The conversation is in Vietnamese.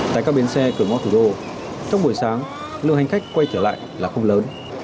tại các bến xe cửa ngõ thủ đô trong buổi sáng lượng hành khách quay trở lại là không lớn